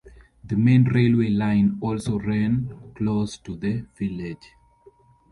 The main railway line also ran close to the village.